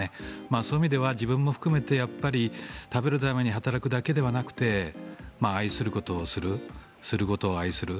そういう意味では自分も含めて食べるために働くだけではなくて愛することをするすることを愛する。